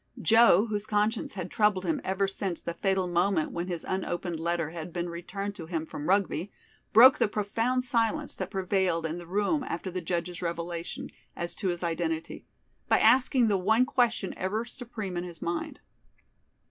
Joe, whose conscience had troubled him ever since the fatal moment when his unopened letter had been returned to him from Rugby, broke the profound silence that prevailed in the room after the judge's revelation as to his identity, by asking the one question ever supreme in his mind.